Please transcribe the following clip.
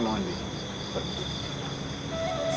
jangan sedih antis